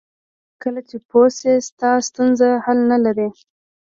کله چې پوه شې ستا ستونزه حل نه لري.